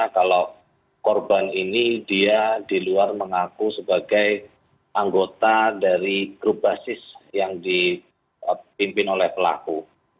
kalau korban ini dia di luar mengaku sebagai anggota dari grup basis yang dipimpin oleh pelaku